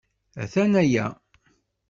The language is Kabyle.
Aten-aya!